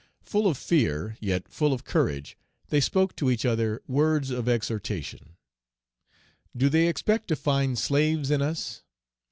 Full of fear, yet full of courage, they spoke to each other words of exhortation: "Do they expect to find slaves in us?